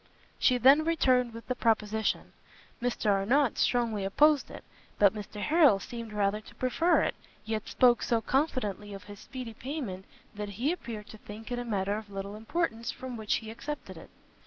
She then returned with the proposition. Mr Arnott strongly opposed it, but Mr Harrel seemed rather to prefer it, yet spoke so confidently of his speedy payment, that he appeared to think it a matter of little importance from which he accepted it.